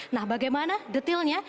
nah bagaimana detailnya